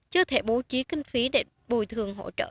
chưa thể bố trí kinh phí để bồi thường hỗ trợ